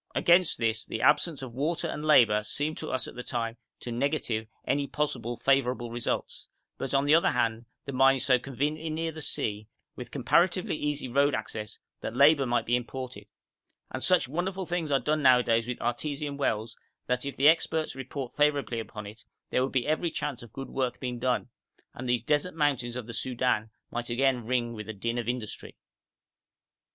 Against this the absence of water and labour seemed to us at the time to negative any possible favourable results; but, on the other hand, the mine is so conveniently near the sea, with comparatively easy road access, that labour might be imported; and such wonderful things are done nowadays with artesian wells that, if the experts report favourably upon it, there would be every chance of good work being done, and these desert mountains of the Soudan might again ring with the din of industry.